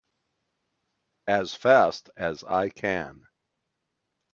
As fast as I can!